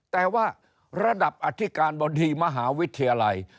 แต่ว่าระดับอธิการบดีมหาวิทยาลัย